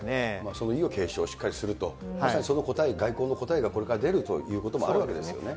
その意義を継承すると、まさにその答え、外交の答えがこれから出るということもあるわけそうですね。